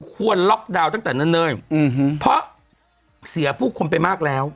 ควรล็อกดาวน์ตั้งแต่เนิ่นเพราะเสียผู้คนไปมากแล้ว